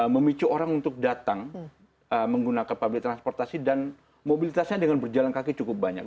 memicu orang untuk datang menggunakan public transportasi dan mobilitasnya dengan berjalan kaki cukup banyak